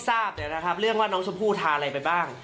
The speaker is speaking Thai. คือเขาก็ดูว่าเท่าที่ทราบเรื่องว่าน้องชมพู่ทานอะไรไปบ้าง